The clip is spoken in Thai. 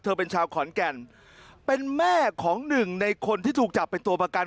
เป็นชาวขอนแก่นเป็นแม่ของหนึ่งในคนที่ถูกจับเป็นตัวประกัน